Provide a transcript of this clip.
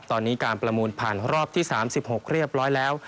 ตอนนี้การประมูลผ่านรอบที่๓๖เรียบร้อยแล้ว